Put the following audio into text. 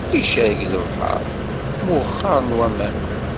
Icerreg lebḥeṛ, mwexxaṛen waman.